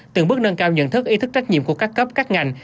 từng bước nâng cao nhận thức ý thức trách nhiệm của các cấp các ngành